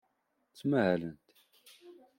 Ttmahalent.